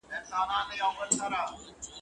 o برخي وېشه، مړونه گوره.